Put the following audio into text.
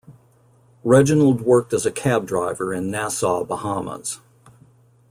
Reginald worked as a cab driver in Nassau, Bahamas.